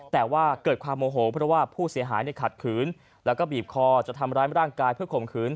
แต่ว่าเกิดความโมโหเพราะว่าผู้เสียหายขัดขืนแล้วก็บีบคอจะทำร้ายร่างกายเพื่อข่มขืน